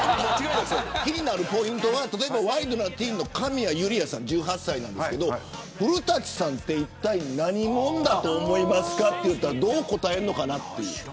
気になるポイントは例えばワイドナティーンの神谷侑理愛さん１８歳なんですけど古舘さんっていったい何者だと思いますかと言ったらどう答えるのかなって。